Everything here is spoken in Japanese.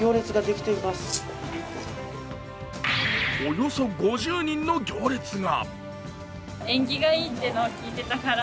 およそ５０人の行列が。